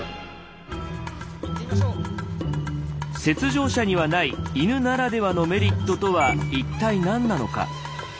雪上車にはない犬ならではのメリットとは一体何なのか。